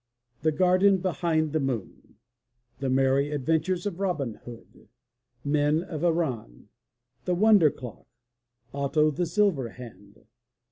The Garden Behind the Moon. The Merry Adventures oj Robin Hood. Men of Iron. The Wonder Clock . Otto of the Silver Hand.